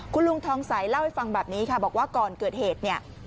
คุณลุงทองใสเล่าให้ฟังแบบนี้ค่ะบอกว่าก่อนเกิดเหตุเนี่ย